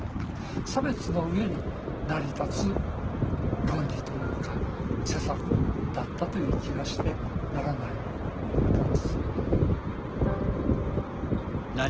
差別の上に成り立つ論理というか施策だったという気がしてならないわけです。